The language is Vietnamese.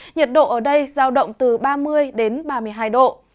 nhiệt độ ở đây giao động từ ba mươi đến ba mươi hai độ